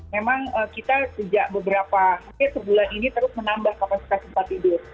memang kita sejak beberapa sebulan ini terus menambah kapasitas tempat tidur